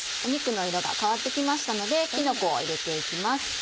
肉の色が変わって来ましたのできのこを入れて行きます。